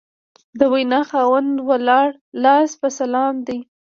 د وینا خاوند ولاړ لاس په سلام دی